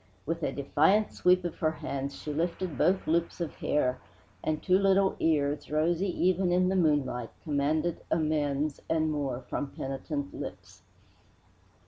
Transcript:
With a defiant sweep of her hands she lifted both loops of hair, and two little ears, rosy even in the moonlight, commanded amends and more from penitent lips.